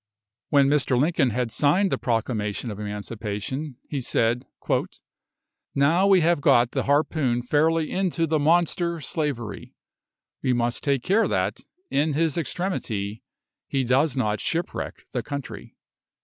When Mr. Lincoln had signed the Proclamation of Emancipation, he said, "Now we have got the harpoon fairly into the monster slavery, we must take care that, in his extremity, he does not shipwreck the country."